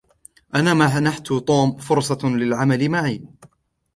أنا منحت توم فرصة للعمل معي.